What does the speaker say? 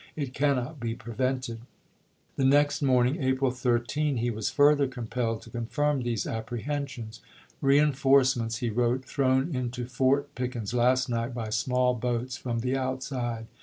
It cannot be prevented." The next i . p 459. morning (April 13) he was further compelled to con firm these apprehensions. " Reenforcements," he wrote, "thrown into Fort Pickens last night by small boats from the outside.